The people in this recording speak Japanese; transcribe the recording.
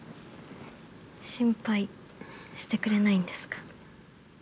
心配してくれないんですか。